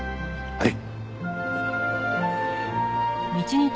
はい。